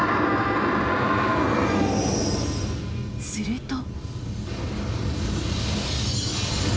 すると。